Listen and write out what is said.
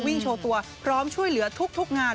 โชว์ตัวพร้อมช่วยเหลือทุกงาน